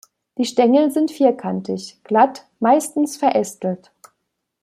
Die Stängel sind vierkantig, glatt, meistens verästelt.